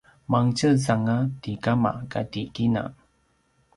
mangtjez anga ti kama kati kina